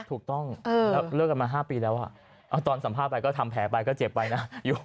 ถูกต้องแล้วเลิกกันมา๕ปีแล้วตอนสัมภาษณ์ไปก็ทำแผลไปก็เจ็บไปนะ